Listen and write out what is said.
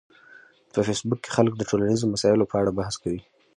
په فېسبوک کې خلک د ټولنیزو مسایلو په اړه بحث کوي